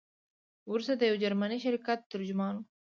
وروسته د یو جرمني شرکت ترجمان وو.